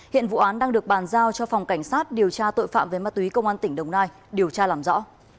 hiện vụ án đang được bàn giao cho phòng cảnh sát điều tra tội phạm về ma túy công an tỉnh đồng nai điều tra làm rõ